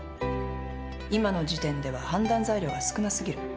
今の時点では判断材料が少なすぎる。